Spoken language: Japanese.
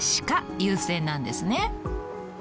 鹿優先なんですね。